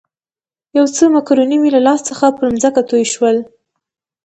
یو څه مکروني مې له لاس څخه پر مځکه توی شول.